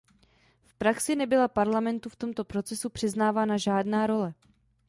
V praxi nebyla Parlamentu v tomto procesu přiznávána žádná role.